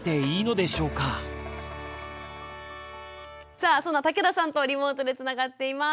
さあその竹田さんとリモートでつながっています。